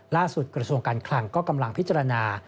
กระทรวงการคลังก็กำลังพิจารณา